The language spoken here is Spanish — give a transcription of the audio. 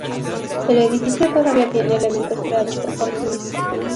El edificio todavía tiene elementos creados por Fortuny.